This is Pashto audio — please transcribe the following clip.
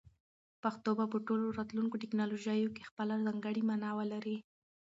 پښتو به په ټولو راتلونکو ټکنالوژیو کې خپله ځانګړې مانا ولري.